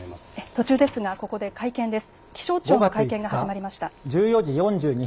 途中ですがここで会見です。